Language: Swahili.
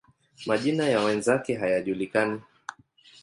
Majina ya wenzake hayajulikani.